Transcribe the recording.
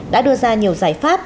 đã đưa ra nhiều giải pháp